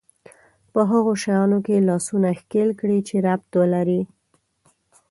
په هغو شيانو کې لاسونه ښکېل کړي چې ربط ولري.